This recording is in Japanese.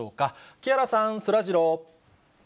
木原さん、そらジロー。